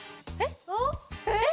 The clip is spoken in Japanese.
えっ？